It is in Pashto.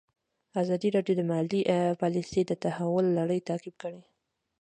ازادي راډیو د مالي پالیسي د تحول لړۍ تعقیب کړې.